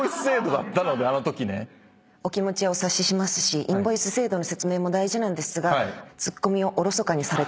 お気持ちお察ししますしインボイス制度の説明も大事ですが。